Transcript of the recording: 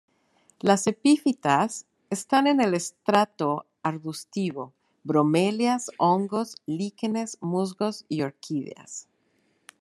Las epífitas están en el estrato arbustivo: bromelias, hongos, líquenes, musgos y orquídeas.